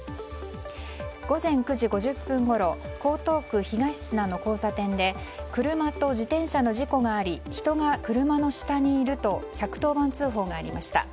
午前９時５０分ごろ江東区東砂の交差点で車と自転車の事故があり人が車の下にいると１１０番通報がありました。